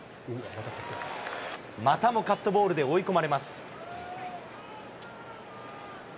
またもカットボールで追い込まれます。